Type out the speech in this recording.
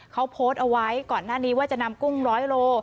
เขาโพสต์เอาไว้ก่อนหน้านี้ว่าจะนำกุ้งร้อยโล